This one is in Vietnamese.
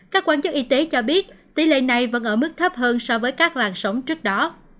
các quan chức y tế cho biết tỷ lệ này vẫn ở mức thấp hơn so với các làn sóng trước đó